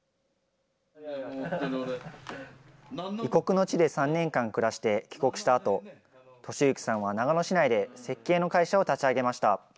異国の地で３年間暮らして、帰国したあと、利之さんは長野市内で設計の会社を立ち上げました。